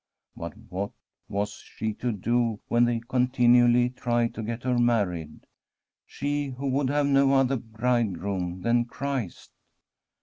But what was she to do when they continually tried to get her married — she who would have no other bridegroom than Christ